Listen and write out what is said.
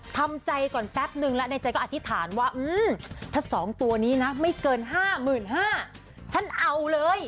เท่าแน่นอนมาวูชา